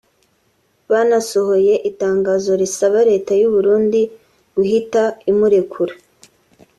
banasohoye itangazo risaba Leta y’u Burundi guhita imurekura